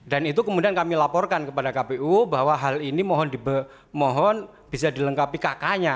dan itu kemudian kami laporkan kepada kpu bahwa hal ini mohon bisa dilengkapi kk nya